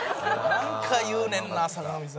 なんか言うねんな坂上さん。